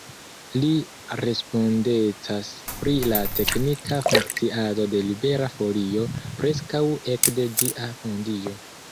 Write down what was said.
Vi respondecas pri la teknika funkciado de Libera Folio preskaŭ ekde ĝia fondiĝo.